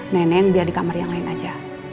neneng biar di kamar yang lain aja